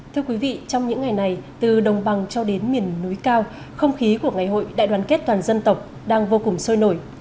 thưa quý vị trong những ngày này từ đồng bằng cho đến miền núi cao không khí của ngày hội đại đoàn kết toàn dân tộc đang vô cùng sôi nổi